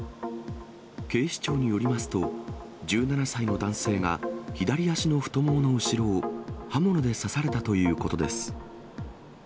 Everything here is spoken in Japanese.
警視庁によりますと、１７歳の男性が左足の太ももの後ろを刃物で刺されたということです。